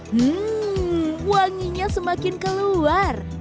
hmmm wanginya semakin keluar